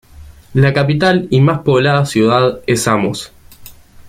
La capital y más poblada ciudad es Amos.